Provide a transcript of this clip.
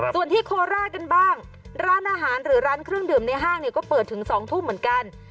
ส่วนที่โคราชกันบ้างร้านอาหารหรือร้านเครื่องดื่มในห้างเนี่ยก็เปิดถึง๒ทุ่มเหมือนกัน